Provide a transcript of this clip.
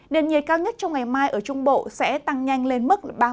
điện nhiệt cao nhất trong ngày mai ở trung bộ sẽ tăng nhanh lên mức ba mươi một